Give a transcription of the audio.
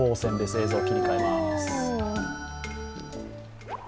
映像を切り替えます。